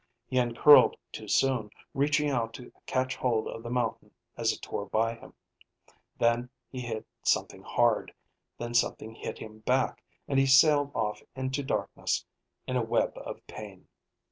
He uncurled too soon, reaching out to catch hold of the mountain as it tore by him. Then he hit something hard; then something hit him back, and he sailed off into darkness in a web of pain.